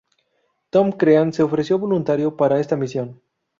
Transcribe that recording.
Tom Crean se ofreció voluntario para esta misión.